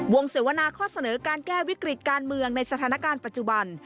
เสวนาข้อเสนอการแก้วิกฤติการเมืองในสถานการณ์ปัจจุบัน